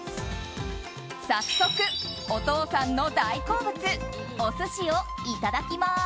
早速、お父さんの大好物お寿司をいただきます。